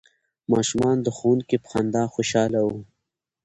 ماشومان د ښوونکي په خندا خوشحاله وو.